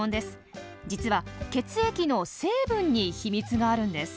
実は血液の成分に秘密があるんです。